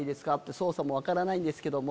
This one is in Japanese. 操作も分からないんですけども」